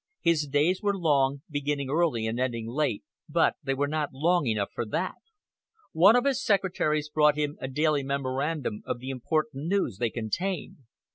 His days were long, beginning early and ending late, but they were not long enough for that. One of his secretaries brought him a daily memorandum of the important news they contained.